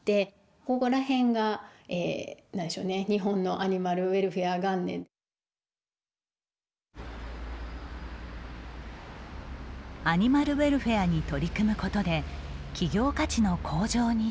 アニマルウェルフェアに取り組むことで企業価値の向上につなげたい。